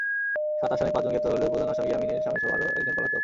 সাত আসামির পাঁচজন গ্রেপ্তার হলেও প্রধান আসামি ইয়াসমিনের স্বামীসহ আরও একজন পলাতক।